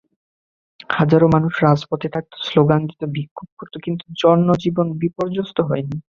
হাজারো মানুষ রাজপথে থাকত, স্লোগান দিত, বিক্ষোভ করত, কিন্তু জনজীবন বিপর্যস্ত হয়নি।